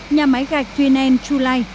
nhà máy gạch thuy nen chu lai